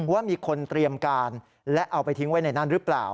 ว่ามีคนเตรียมการและเอาไปทิ้งไว้ในนั้นหรือเปล่า